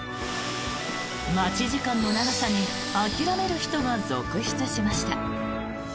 待ち時間の長さに諦める人が続出しました。